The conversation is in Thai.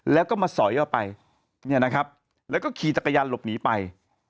แล้วก็มาสอยออกไปแล้วก็ขี่จักรยานหลบหนีไป